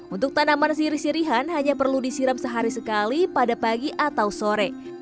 untuk tanaman sirih sirihan hanya perlu disiram sehari sekali pada pagi atau sore